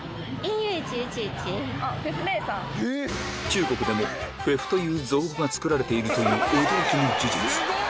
中国でも「フェフ」という造語が作られているという驚きの事実